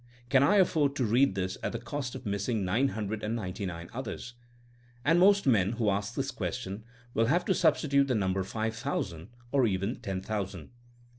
Can I afford to read this at the cost of missing nine hundred and ninety nine others?'^ And most men who ask this question will have to substi tute the number five thousand, or even ten thou sand.